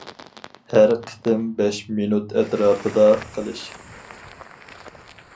ھەر قېتىم بەش مىنۇت ئەتراپىدا قىلىش.